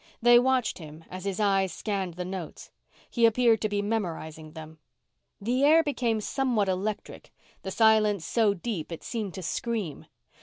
They watched him as his eyes scanned the notes. He appeared to be memorizing them. The air became somewhat electric, the silence so deep it seemed to scream.